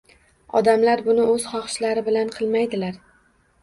Odamlar buni o‘z xohishlari bilan qilmaydilar.